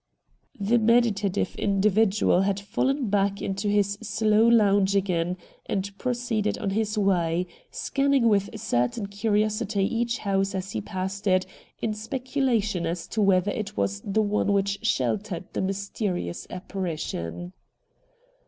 The meditative individual had fallen back into his slow lounge again and proceeded on his way, scanning with a certain curiosity each house as he passed it in speculation as to whether it was the one which sheltered the mysterious apparition.